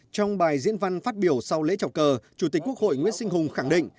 trong bài diễn văn phát biểu sau lễ chọc cờ chủ tịch quốc hội nguyễn sinh hùng khẳng định